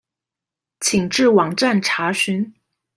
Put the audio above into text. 請至網站查詢